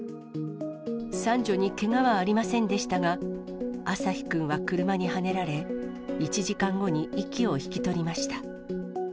三女にけがはありませんでしたが、あさひくんは車にはねられ、１時間後に息を引き取りました。